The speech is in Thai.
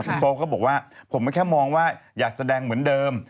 คุณโป๊ก็บอกว่าผมก็แค่มองว่าอยากแสดงเหมือนเดิม